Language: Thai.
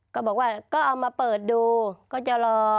ก็บอกว่าก็เอามาเปิดดูก็จะรอ